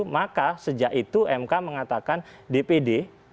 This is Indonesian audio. maka sejak itu mk mengatakan dpd